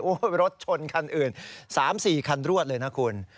โอ้โหรถชนคันอื่น๓๔คันรวดเลยนะคุณ